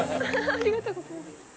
ありがとうございます。